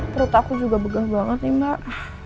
perut aku juga begah banget nih mbak